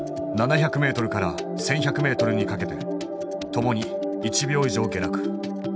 ７００ｍから１，１００ｍにかけてともに１秒以上下落。